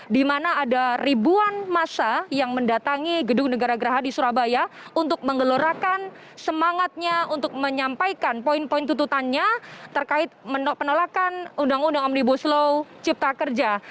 karena ada ribuan massa yang mendatangi gedung negara gerahadi surabaya untuk menggelorakan semangatnya untuk menyampaikan poin poin tututannya terkait penolakan undang undang omnibus law cipta kerja